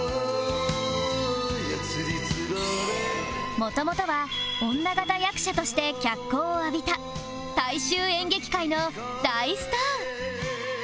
元々は女形役者として脚光を浴びた大衆演劇界の大スター